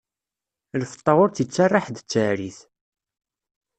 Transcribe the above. Lfeṭṭa ur tt-ittara ḥedd d taɛrit.